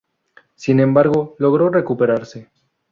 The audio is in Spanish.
Sin embargo, logró recuperarse.